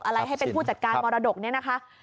อะไรให้เป็นผู้จัดการมรดกนี้นะคะ